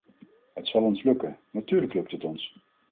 Het zal ons lukken, natuurlijk lukt het ons.